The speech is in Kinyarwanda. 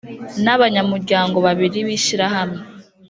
n abanyamuryango babiri b ishyirahamwe